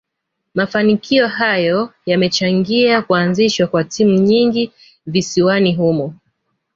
Mafanikio hayo yamechangia kuazishwa kwa timu nyingi visiwani humo